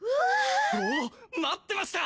おっ待ってました！